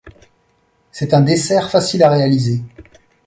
C'est un dessert facile à réaliser.